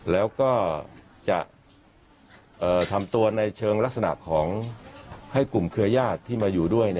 แล้วก็จะทำตัวในเชิงลักษณะของให้กลุ่มเครือญาติที่มาอยู่ด้วย